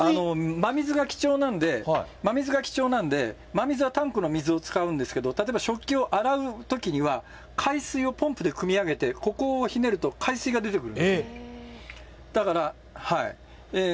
真水が貴重なんで、真水が貴重なんで、真水はタンクの水を使うんですけれども、例えば食器を洗うときには、海水をポンプでくみ上げて、ここをひねると、海水が出てくるんです。